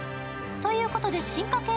ということで進化系